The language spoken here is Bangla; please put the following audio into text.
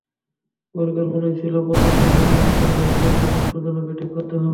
পরিকল্পনাই ছিল প্রথম তিনজন ব্যাটসম্যানের একজনকে শেষ পর্যন্ত ব্যাটিং করতে হবে।